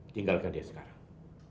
tinggalkan dia sekarang